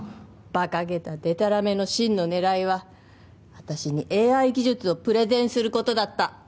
バカげたデタラメの真の狙いは私にＡＩ技術をプレゼンすることだった